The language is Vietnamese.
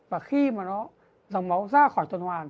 và khi mà dòng máu ra khỏi tuần hoàn